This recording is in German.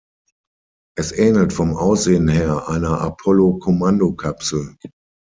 Es ähnelt vom Aussehen her einer Apollo-Kommandokapsel.